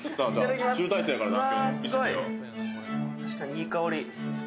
いい香り。